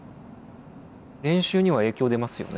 練習には影響出ますよね？